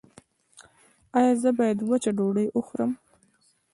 ایا زه باید وچه ډوډۍ وخورم؟